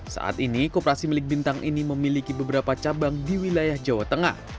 saat ini kooperasi milik bintang ini memiliki beberapa cabang di wilayah jawa tengah